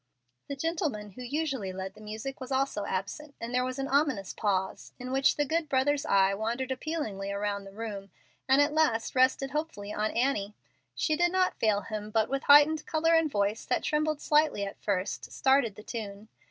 The gentleman who usually led the music was also absent, and there was an ominous pause, in which the good brother's eye wandered appealingly around the room and at last rested hopefully on Annie. She did not fail him, but, with heightened color and voice that trembled slightly at first, "started the tune."